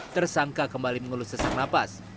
tersangka kembali mengeluh sesak napas